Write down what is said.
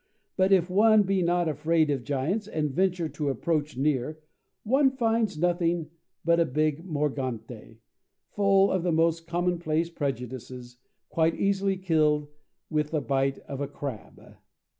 But if one be not afraid of giants and venture to approach near, one finds nothing but a big Morgante, full of the most commonplace prejudices, quite easily killed with the bite of a crab!